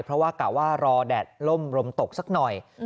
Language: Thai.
เพราะว่ากะว่ารอแดดล่มลมตกสักหน่อย